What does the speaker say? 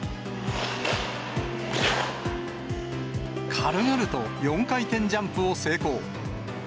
軽々と４回転ジャンプを成功。